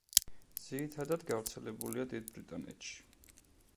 ძირითადად გავრცელებულია დიდ ბრიტანეთში.